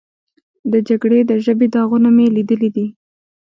د جګړې د ژبې داغونه مې لیدلي دي.